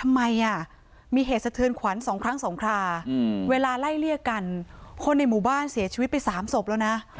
ทำไมมีเหตุสะเทือนขวัญสองครั้งสองคราเวลาไล่เลี่ยกันคนในหมู่บ้านเสียชีวิตไป๓ศพแล้วนะ